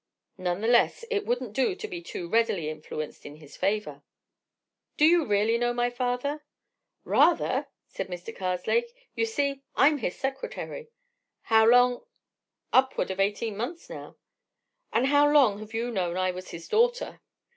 None the less, it wouldn't do to be too readily influenced in his favour. "Do you really know my father?" "Rather!" said Mr. Karslake. "You see, I'm his secretary." "How long—" "Upward of eighteen months now." "And how long have you known I was his daughter?"